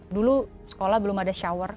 dulu sekolah belum ada shower